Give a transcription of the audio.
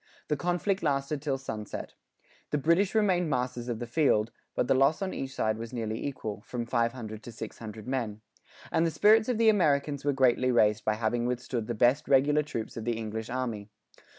The conflict lasted till sunset. The British remained masters of the field; but the loss on each side was nearly equal (from five hundred to six hundred men); and the spirits of the Americans were greatly raised by having withstood the best regular troops of the English army.